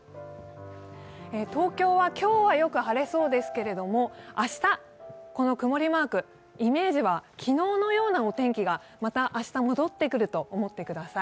東京は今日はよく晴れそうですけれども、明日、この曇りマーク、イメージは昨日のようなお天気がまた明日戻ってくると思ってください。